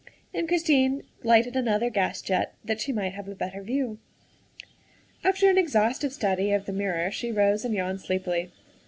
And Christine lighted another gas jet that she might have a better view. After an exhaustive study of the mirror she rose and yawned sleepily.